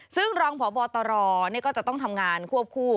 ซึ่งรองพบตรก็จะต้องทำงานควบคู่